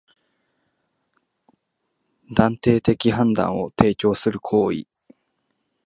断定的判断を提供する行為